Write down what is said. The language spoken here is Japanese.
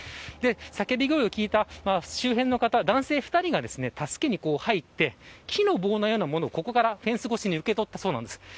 叫び声を聞いた周辺の男性２人が助けに入って木の棒のようなものをここからフェンス越しに受け取ってたそうです。